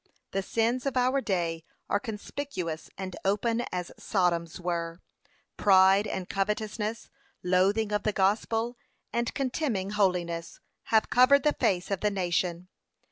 p. 532. 'The sins of our day are conspicuous and open as Sodom's were; pride and covetousness, loathing of the gospel, and contemning holiness, have covered the face of the nation.'